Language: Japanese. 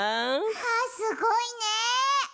はあすごいね。